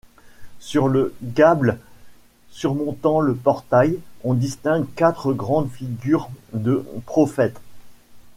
Sur le gâble surmontant le portail, on distingue quatre grandes figures de prophètes.